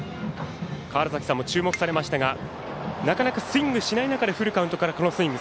川原崎さんも注目されましたがなかなかスイングしないなかでフルカウントからのスイング。